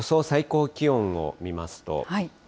最高気温を見ますと。